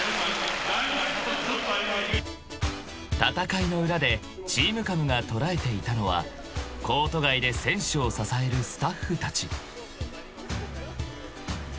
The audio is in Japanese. ［戦いの裏でＴＥＡＭＣＡＭが捉えていたのはコート外で選手を支えるスタッフたち］